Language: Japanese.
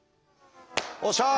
おっしゃ。